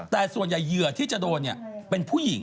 แต่ส่วนใหญ่เหยื่อที่จะโดนเป็นผู้หญิง